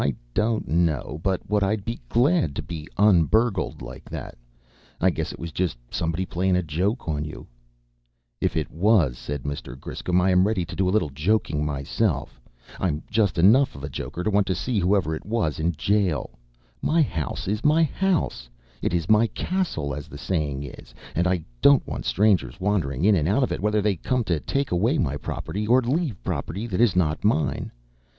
"I don't know but what I'd be glad to be un burgled like that. I guess it was just somebody playing a joke on you." "If it was," said Mr. Griscom, "I am ready to do a little joking myself. I'm just enough of a joker to want to see whoever it was in jail. My house is my house it is my castle, as the saying is and I don't want strangers wandering in and out of it, whether they come to take away my property, or leave property that is not mine.